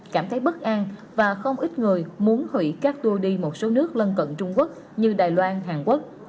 cảm thấy bất an và không ít người muốn hủy các tour đi một số nước lân cận trung quốc như đài loan hàn quốc